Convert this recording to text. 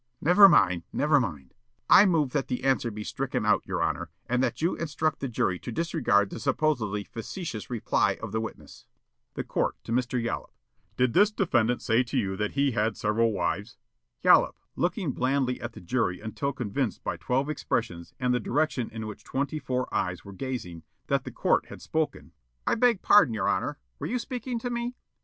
Counsel: "Never mind, never mind. I move that the answer be stricken out, your honor, and that you instruct the jury to disregard the supposedly facetious reply of the witness." The Court, to Mr. Yollop: "Did this defendant say to you that he had several wives?" Yollop, looking blandly at the jury until convinced by twelve expressions and the direction in which twenty four eyes were gazing that the court had spoken: "I beg pardon, your honor. Were you speaking to me?"